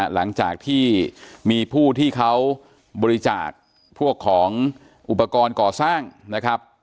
หลังจากที่มีผู้ที่เขาบริจาคพวกของอุปกรณ์ก่อสร้างนะครับ